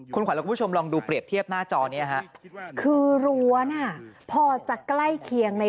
คุณขวัญแล้วคุณผู้ชมลองดูเปรียบเทียบหน้าจอนี้ฮะ